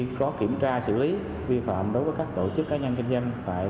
nên khi có kiểm tra xử lý vi phạm đối với các tổ chức cá nhân kinh doanh hàng quái